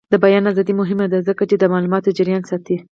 د بیان ازادي مهمه ده ځکه چې د معلوماتو جریان ساتي.